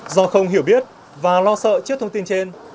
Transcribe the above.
do không hiểu biết và lo sợ trước thông tin trên